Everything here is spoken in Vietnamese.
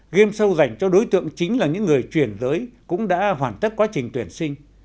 game show dành cho đối tượng chính là những người truyền giới cũng đã hoàn tất quá trình tuyển sinh